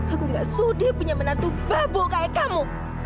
aku nggak sudah punya menantu babu kayak kamu